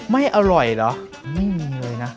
ไม่มีเลยนะ